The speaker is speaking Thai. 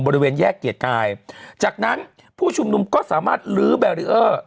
บริเวณแยกเกียรติกายจากนั้นผู้ชุมนุมก็สามารถลื้อแบรีเออร์